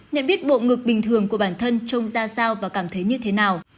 nhận biết bộ ngực bình thường của bản thân trông ra sao và cảm thấy như thế nào